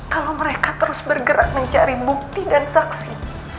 kalau mereka terus bergerak mencari bukti dan saksi